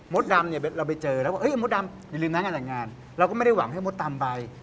ดำเนี่ยเราไปเจอแล้วว่ามดดำอย่าลืมนะงานแต่งงานเราก็ไม่ได้หวังให้มดดำไป